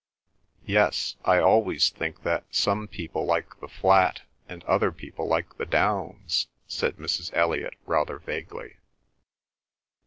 "Yes—I always think that some people like the flat and other people like the downs," said Mrs. Elliot rather vaguely.